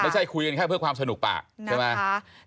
ไม่ใช่คุยกันแค่เพื่อความสนุกปากใช่ไหม